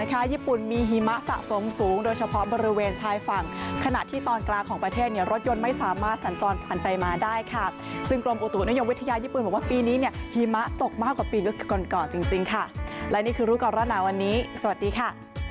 ก่อนจริงค่ะและนี่คือรูปกรณะวันนี้สวัสดีค่ะ